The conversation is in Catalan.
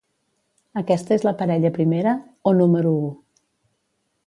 Aquesta és la parella "primera" o "número u".